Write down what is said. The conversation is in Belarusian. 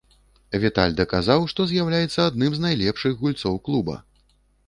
Віталь даказаў, што з'яўляецца адным з найлепшых гульцоў клуба.